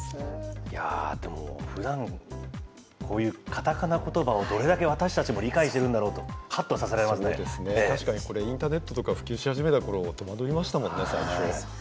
いやー、でもふだん、こういうかたかなことばをどれだけ私たちも理解してるんだろうと、確かにそれ、インターネットが普及し始めたころ、戸惑いましたもん。